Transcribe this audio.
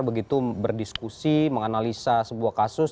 begitu berdiskusi menganalisa sebuah kasus